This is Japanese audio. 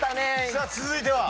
さあ続いては。